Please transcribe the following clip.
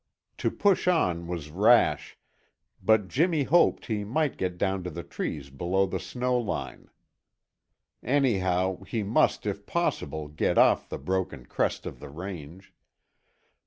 To push on was rash, but Jimmy hoped he might get down to the trees below the snow line. Anyhow, he must if possible get off the broken crest of the range.